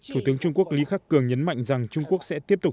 thủ tướng trung quốc lý khắc cường nhấn mạnh rằng trung quốc sẽ tiếp tục